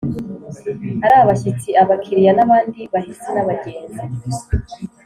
ari: abashyitsi, abakiriya n’abandi bahisi n’abagenzi.